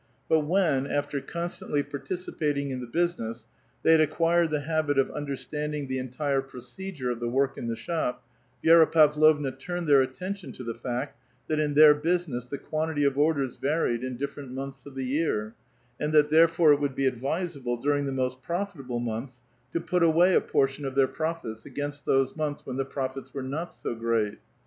But when after constantly partici l>atiiig in the business, they liad acquired the habit of under ^t;aadiug the entire procedure of tiie work in the shop, Vi^ra i^uvlovua turned their attention to the fact that in their busi the quantity of orders varied in different months of the , and that therefore it would be advisable, during the i ft^ost profitable months, to put away a portion of their profits Si^ainst those months when the profits were not so great.